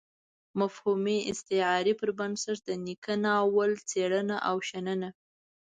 مفهومي استعارې پر بنسټ د نيکه ناول څېړنه او شننه.